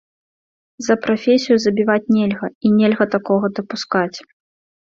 За прафесію забіваць нельга, і нельга такога дапускаць.